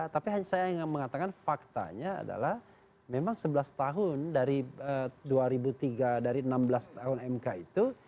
tapi saya ingin mengatakan faktanya adalah memang sebelas tahun dari dua ribu tiga dari enam belas tahun mk itu